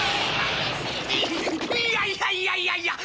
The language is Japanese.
いやいやいやいや！